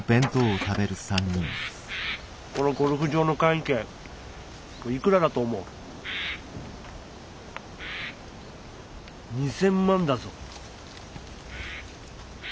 このゴルフ場の会員権いくらだと思う？２，０００万だぞ。